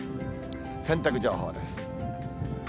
洗濯情報です。